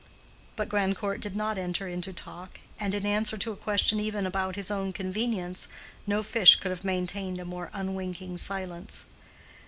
But Grandcourt did not enter into talk, and in answer to a question even about his own convenience, no fish could have maintained a more unwinking silence.